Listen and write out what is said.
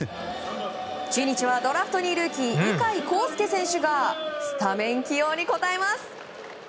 中日はドラフト２位ルーキー鵜飼航丞選手がスタメン起用に応えます！